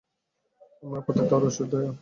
আমার প্রতি তাঁর অশেষ দয়া।